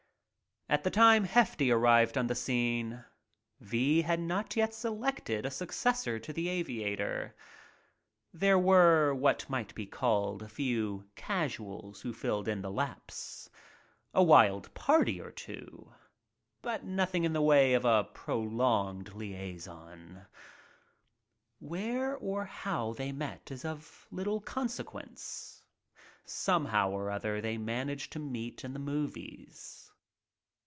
At the time Hefty arrived on the scene V not yet selected a successor to the aviator, were what might be called a few casuals who filled in the lapse — a wild party or two — but nothing in way of a prolonged liason Where or how they met is of little consequence. Somehow or other they manage to meet in the movies.